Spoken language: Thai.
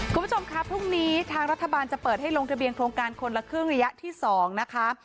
คุณผู้ชมครับพรุ่งนี้ทางรัฐบาลจะเปิดให้ลงทะเบียนโครงการคนละครึ่งระยะที่๒นะคะ